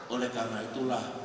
oleh karena itulah